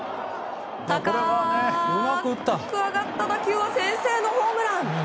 高く上がった打球は先制のホームラン！